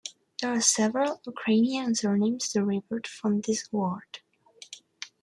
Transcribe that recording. There are several Ukrainian surnames derived from this word.